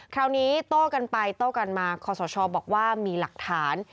คราวนี้โต้กันไปโต้กันมาคอสชบอกว่ามีหลักฐาน